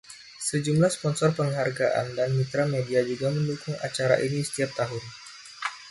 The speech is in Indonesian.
Sejumlah sponsor penghargaan dan mitra media juga mendukung acara ini setiap tahun.